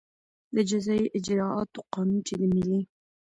د جزایي اجراآتو قانون چې د ملي